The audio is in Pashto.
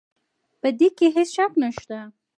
په دې کې هېڅ شک نه شته.